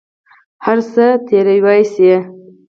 هر څه تېروى سي.